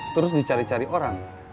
terus dicari cari orang